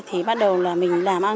thì bắt đầu là mình làm ăn